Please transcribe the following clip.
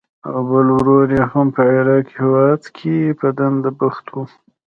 او بل ورور یې هم په عراق هېواد کې په دنده بوخت و.